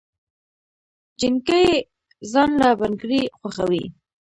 جينکۍ ځان له بنګړي خوښوي